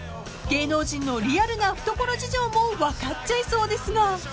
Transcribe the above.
［芸能人のリアルなふところ事情も分かっちゃいそうですが］